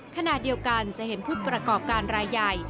ขณะเดียวกันจะเห็นผู้ประกอบการรายใหญ่